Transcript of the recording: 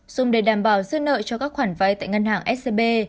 dùng để đảm bảo dư nợ cho các khoản vay tại ngân hàng scb